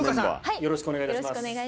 よろしくお願いします。